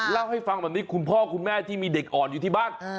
เล่าให้ฟังแบบนี้คุณพ่อคุณแม่ที่มีเด็กอ่อนอยู่ที่บ้าน